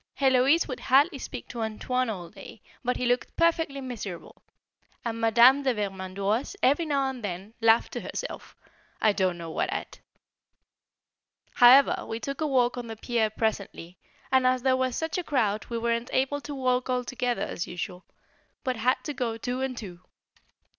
Héloise would hardly speak to "Antoine" all day, and he looked perfectly miserable, and Madame de Vermandoise every now and then laughed to herself I don't know what at. However we took a walk on the pier presently, and as there was such a crowd we weren't able to walk all together as usual, but had to go two and two.